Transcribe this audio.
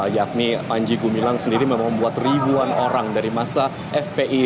yakni panji gumilang sendiri memang membuat ribuan orang dari masa fpi